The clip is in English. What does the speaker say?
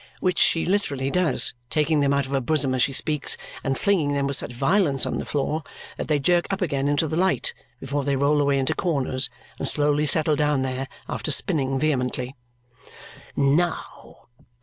Which she literally does, taking them out of her bosom as she speaks and flinging them with such violence on the floor that they jerk up again into the light before they roll away into corners and slowly settle down there after spinning vehemently. "Now!"